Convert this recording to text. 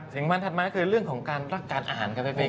สิ่งมันถัดมาคือเรื่องของรักการอ่านครับพี่ฟิก